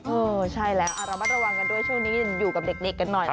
เออใช่แล้วระมัดระวังกันด้วยช่วงนี้อยู่กับเด็กกันหน่อย